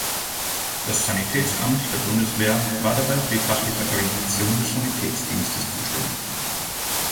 Das Sanitätsamt der Bundeswehr war dabei für die fachliche Organisation des Sanitätsdienstes zuständig.